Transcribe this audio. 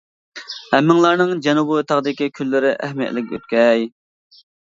ھەممىڭلارنىڭ جەنۇبى تاغدىكى كۈنلىرى ئەھمىيەتلىك ئۆتكەي!